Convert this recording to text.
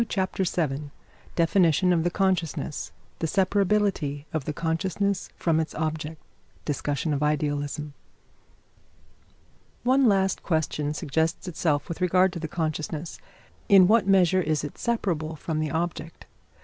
] CHAPTER VII DEFINITION OF THE CONSCIOUSNESS THE SEPARABILITY OF THE CONSCIOUSNESS FROM ITS OBJECT DISCUSSION OF IDEALISM One last question suggests itself with regard to the consciousness. In what measure is it separable from the object?